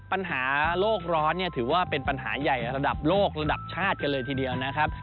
ปัญหาโลกร้อนเนี่ยถือว่าเป็นปัญหาใหญ่ระดับโลกระดับชาติกันเลยทีเดียวนะครับ